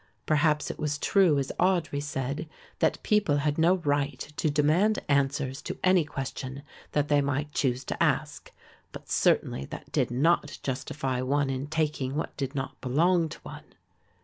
Perhaps it was true as Audry said, that people had no right to demand answers to any question that they might choose to ask; but certainly that did not justify one in taking what did not belong to one.